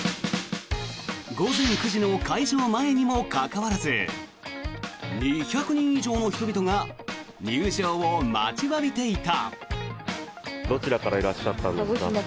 午前９時の開場前にもかかわらず２００人以上の人々が入場を待ちわびていた。